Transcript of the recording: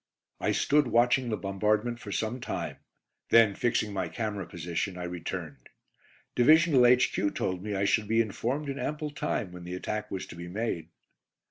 I stood watching the bombardment for some time, then fixing my camera position, I returned. Divisional H.Q. told me I should be informed in ample time when the attack was to be made.